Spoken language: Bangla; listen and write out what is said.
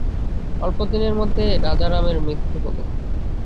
অল্পদিনের মধ্যে রাজারামের মৃত্যু হল।